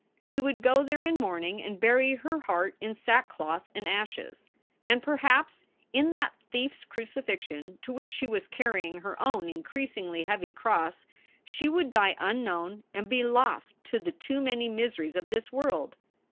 She would go there in mourning and bury her heart in sack cloth and ashes. And perhaps in that thief s crucifixion to which she was carrying her own increasingly heavy cross she would die unknown and be lost to the too many miseries of this world.